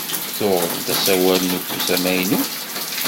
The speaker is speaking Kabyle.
Tuɣeḍ-d asawal n ufus amaynut?